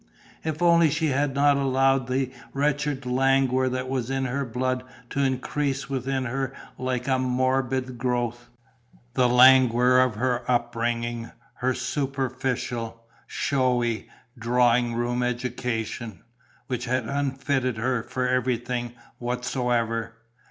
If only she had not allowed the wretched languor that was in her blood to increase within her like a morbid growth: the languor of her upbringing, her superficial, showy, drawing room education, which had unfitted her for everything whatsoever!